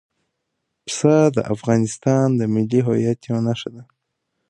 پسه د افغانستان د ملي هویت یوه نښه ده.